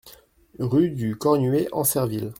Rue du Cornuet, Ancerville